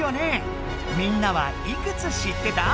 みんなはいくつ知ってた？